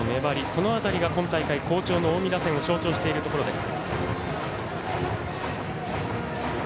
この辺りが今大会、好調の近江打線を象徴しているところです。